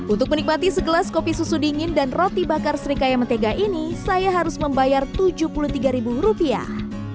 untuk menikmati segelas kopi susu dingin dan roti bakar serikaya mentega ini saya harus membayar tujuh puluh tiga ribu rupiah